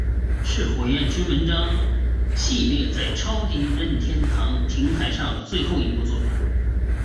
是火焰之纹章系列在超级任天堂平台上的最后一部作品。